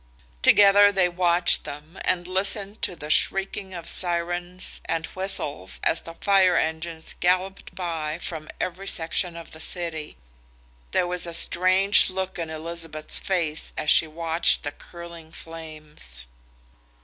Together they watched them and listened to the shrieking of sirens and whistles as the fire engines galloped by from every section of the city. There was a strange look in Elizabeth's face as she watched the curling flames.